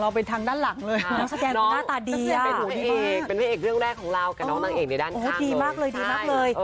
ดีมากเลยดีมากเลย